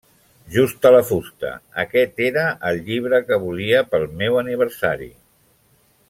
Justa la fusta! Aquest era el llibre que volia pel meu aniversari.